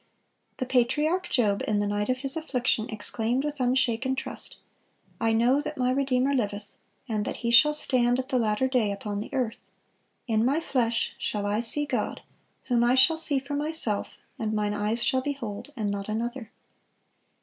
(450) The patriarch Job in the night of his affliction exclaimed with unshaken trust: "I know that my Redeemer liveth, and that He shall stand at the latter day upon the earth: ... in my flesh shall I see God: whom I shall see for myself, and mine eyes shall behold, and not another."